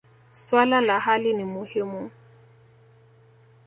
Swala la hali ni muhimu.